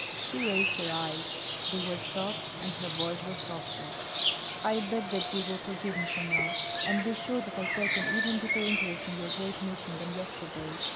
She raised her eyes. They were soft, and her voice was softer. "I beg that you will forgive me, senor. And be sure that I take an even deeper interest in your great mission than yesterday.